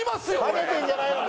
ハゲてんじゃないのか？